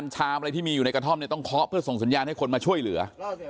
ชามอะไรที่มีอยู่ในกระท่อมเนี่ยต้องเคาะเพื่อส่งสัญญาณให้คนมาช่วยเหลือ